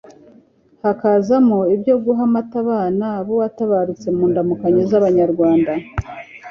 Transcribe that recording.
hakazamo ibyo guha amata abana b'uwatabarutse. Mu ndamukanyo z'abanyarwanda